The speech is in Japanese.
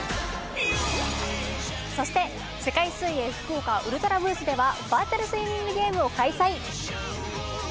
そして、世界水泳福岡ウルトラブースではバーチャルスイミングゲームを開催。